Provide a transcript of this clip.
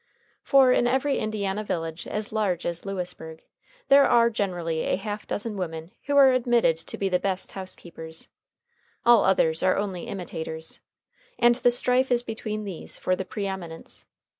For in every Indiana village as large as Lewisburg, there are generally a half dozen women who are admitted to be the best housekeepers. All others are only imitators. And the strife is between these for the pre eminence.